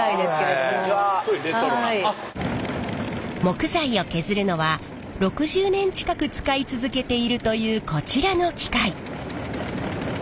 木材を削るのは６０年近く使い続けているというこちらの機械。